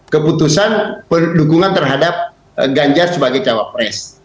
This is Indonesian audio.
keputusan dukungan terhadap ganjar sebagai cawapres